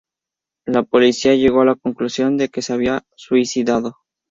La policía llegó a la conclusión de que se había suicidado.